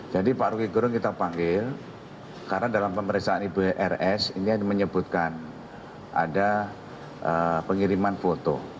jadi pak roky gerung kita panggil karena dalam pemeriksaan ibrs ini menyebutkan ada pengiriman foto